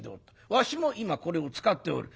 わしも今これを使っておる。